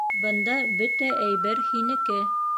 — Бында бөтә әйбер һинеке.